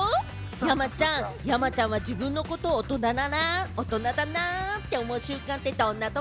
山ちゃん、山ちゃんは自分のことを大人だなって思う瞬間って、どんな時？